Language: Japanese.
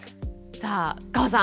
さあ河さん